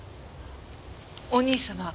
お兄様